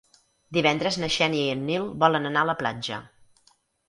Divendres na Xènia i en Nil volen anar a la platja.